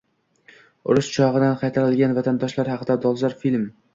Urush o‘chog‘idan qaytarilgan vatandoshlar haqida dolzarb film